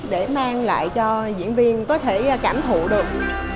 để mang lại cho diễn viên có thể cảm thụ được